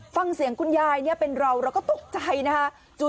ฟังเสียงคุณยายเนี่ยเป็นเราเราก็ตกใจนะคะ